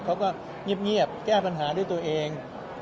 เขาก็เงียบแก้ปัญหาด้วยตัวเอง